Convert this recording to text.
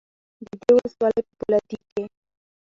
د دې ولسوالۍ په فولادي کې